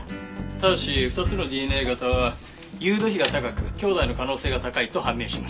ただし２つのＤＮＡ型は尤度比が高く兄弟の可能性が高いと判明しました。